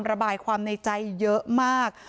ระบายความในใจเยอะมาก